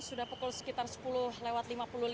sudah pukul sekitar sepuluh lewat lima puluh lima